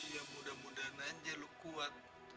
ya mudah mudahan aja lu kuat